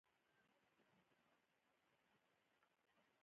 زه سندرې اورم